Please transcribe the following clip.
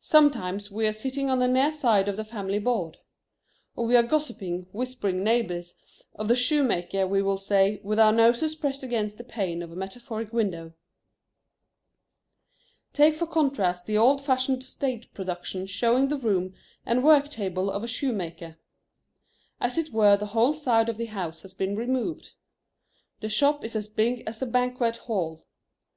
Sometimes we are sitting on the near side of the family board. Or we are gossiping whispering neighbors, of the shoemaker, we will say, with our noses pressed against the pane of a metaphoric window. Take for contrast the old fashioned stage production showing the room and work table of a shoemaker. As it were the whole side of the house has been removed. The shop is as big as a banquet hall.